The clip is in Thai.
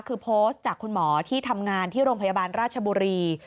คือโพสต์จากคุณหมอที่ทำงานที่โรงพยาบาลราชบุรี